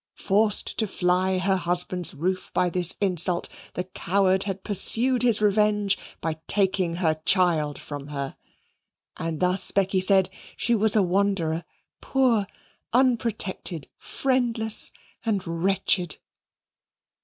Forced to fly her husband's roof by this insult, the coward had pursued his revenge by taking her child from her. And thus Becky said she was a wanderer, poor, unprotected, friendless, and wretched.